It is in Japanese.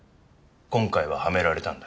今回ははめられたんだ。